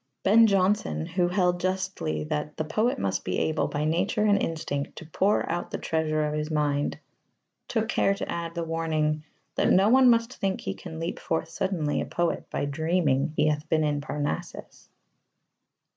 Ben Jonson, who held justly that "the poet must be able by nature and instinct to pour out the treasure of his mind," took care to add the warning that no one must think he "can leap forth suddenly a poet by dreaming he hath been in Parnassus."